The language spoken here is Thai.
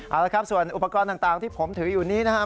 เอาละครับส่วนอุปกรณ์ต่างที่ผมถืออยู่นี้นะครับ